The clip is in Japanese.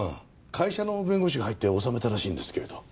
会社の弁護士が入って治めたらしいんですけれど。